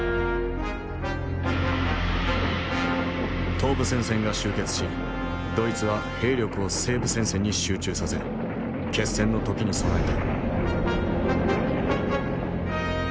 東部戦線が終結しドイツは兵力を西部戦線に集中させ決戦の時に備えた。